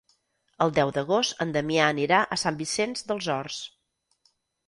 El deu d'agost en Damià anirà a Sant Vicenç dels Horts.